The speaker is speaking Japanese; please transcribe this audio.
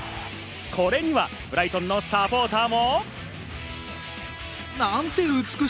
これにはブライトンのサポーターも。